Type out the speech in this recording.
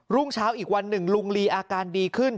รุ่งเช้าอีกวันหนึ่งลุงลีอาการดีขึ้น